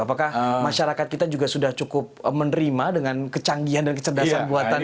apakah masyarakat kita juga sudah cukup menerima dengan kecanggihan dan kecerdasan buatannya